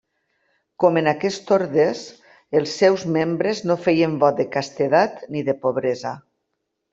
Com en aquests ordes, els seus membres no feien vot de castedat ni de pobresa.